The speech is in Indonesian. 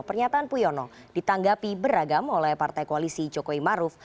pernyataan puyono ditanggapi beragam oleh partai koalisi jokowi maruf